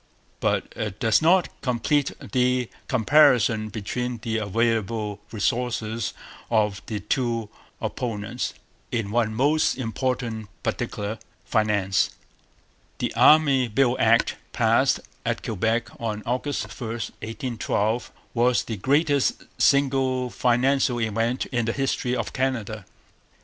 But it does not complete the comparison between the available resources of the two opponents in one most important particular finance. The Army Bill Act, passed at Quebec on August 1, 1812, was the greatest single financial event in the history of Canada.